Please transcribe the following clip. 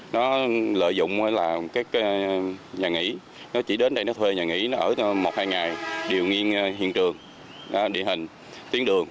nó lợi dụng là các nhà nghỉ nó chỉ đến đây nó thuê nhà nghỉ nó ở một hai ngày điều nghiên hiện trường địa hình tuyến đường